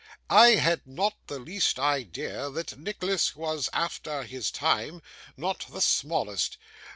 I had not the least idea that Nicholas was after his time, not the smallest.